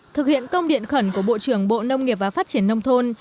thực hiện công điện khẩn của bộ trưởng bộ nông nghiệp và phát triển nông thôn